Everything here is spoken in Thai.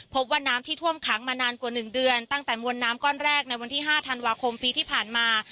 พบว่าน้ำที่ท่วมขังมานานกว่า๑เดือนตั้งแต่มวลน้ำก้อนแรกในวันที่๕ธันวาคมปีที่ผ่านมา